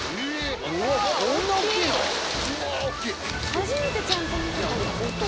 初めてちゃんと見たかも。